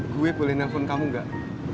gue boleh nelfon kamu gak